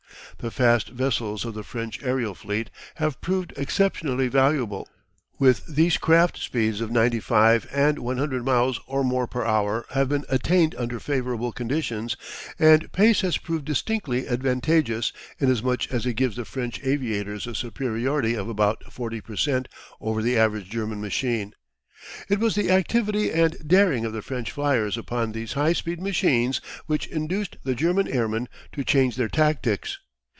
The fast vessels of the French aerial fleet have proved exceptionally valuable. With these craft speeds of 95 and 100 miles or more per hour have been attained under favourable conditions, and pace has proved distinctly advantageous, inasmuch as it gives the French aviators a superiority of about 40 per cent over the average German machine. It was the activity and daring of the French fliers upon these high speed machines which induced the German airmen to change their tactics.